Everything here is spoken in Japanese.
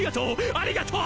ありがとう！